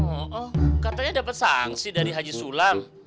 oh oh katanya dapet sanksi dari haji sulam